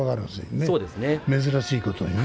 珍しいことにね。